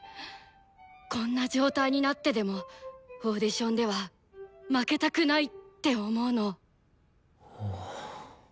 こんな状態になってでもオーディションでは「負けたくない！」って思うの。